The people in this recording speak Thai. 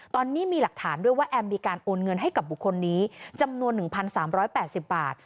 ตอนนี้มีหลักฐานด้วยว่าแอมมีการโอนเงินให้กับบุคคลนี้จำนวน๑๓๘๐บาท